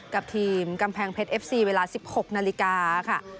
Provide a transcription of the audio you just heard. กับทีมกำแพงเพชรเอฟซีเวลา๑๖นาฬิกาค่ะ